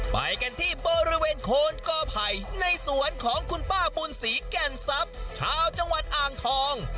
ไปกันที่บริเวณโคนกอไผ่ในสวนของคุณป้าบุญศรีแก่นทรัพย์ชาวจังหวัดอ่างทอง